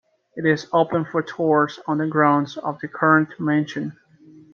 It is open for tours on the grounds of the current mansion.